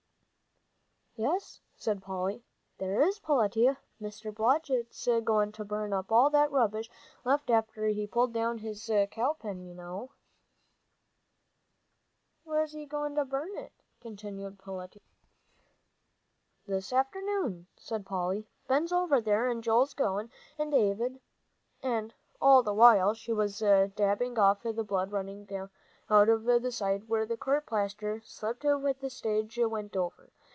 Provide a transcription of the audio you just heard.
"Yes," said Polly, "there is, Peletiah. Mr. Blodgett's goin' to burn up all that rubbish left after he pulled down his cow pen, you know." "When's he goin' to burn it?" continued Peletiah. "This afternoon," said Polly. "Ben's over there, and Joel's goin', and David." All the while she was dabbing off the blood running out of the side where the court plaster slipped when the stage went over.